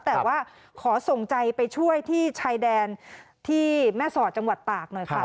แต่ว่าขอส่งใจไปช่วยที่ชายแดนที่แม่สอดจังหวัดตากหน่อยค่ะ